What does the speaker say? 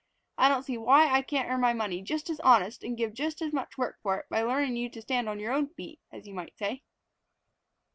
I don't see why I can't earn my money just as honest and give just as much work for it by learnin' you to stand on your own feet, as you might say."